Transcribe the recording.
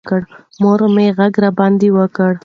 مور مې غږ راباندې وکړ.